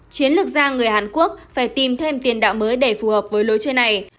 chiến lược gia người hàn quốc phải tìm thêm tiền đạo mới để phù hợp với lối chơi này